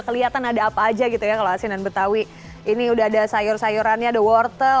kelihatan ada apa aja gitu ya kalau asinan betawi ini udah ada sayur sayurannya ada wortel